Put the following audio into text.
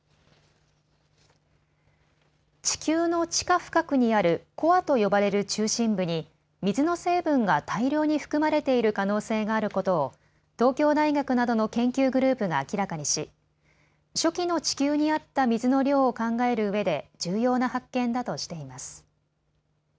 地球の地下深くにあるコアと呼ばれる中心部に水の成分が大量に含まれている可能性があることを東京大学などの研究グループが明らかにし、初期の地球にあった水の量を考えるうえで重要な発見だとしています。